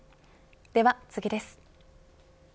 では次です。